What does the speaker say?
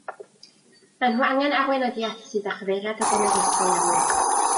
Mae nhw angen arweinyddiaeth sydd â chyfeiriad a blaenoriaethau amlwg.